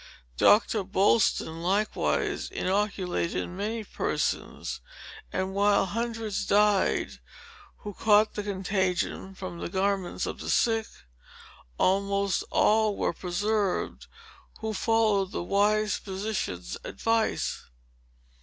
Doctor Boylston, likewise, inoculated many persons; and while hundreds died, who had caught the contagion from the garments of the sick, almost all were preserved, who followed the wise physician's advice.